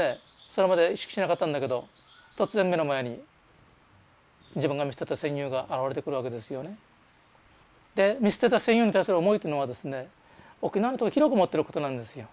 それまで意識しなかったんだけど突然目の前に自分が見捨てた戦友が現れてくるわけですよね。で見捨てた戦友に対する思いというのはですね沖縄の人が広く持ってることなんですよ。